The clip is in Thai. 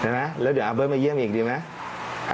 ไหมแล้วเดี๋ยวอาเบิร์ตมาเยี่ยมอีกดีไหม